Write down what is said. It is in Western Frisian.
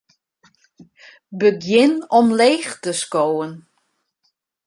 Begjin omleech te skowen.